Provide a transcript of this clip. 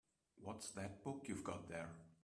What's that book you've got there?